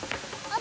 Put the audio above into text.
あ！